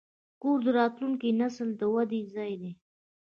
کور د راتلونکي نسل د ودې ځای دی.